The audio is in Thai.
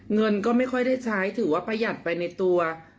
เงินก็ไม่ค่อยได้ใช้ถือว่าประหยัดไปในตัว